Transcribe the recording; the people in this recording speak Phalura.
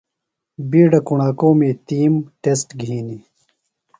بِیڈہ کوݨاکومی تںِم ٹسٹ گِھینیۡ۔